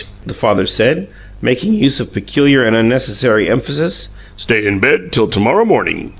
the father said, making use of peculiar and unnecessary emphasis. "Stay in bed till to morrow morning.